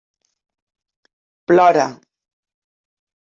Plora.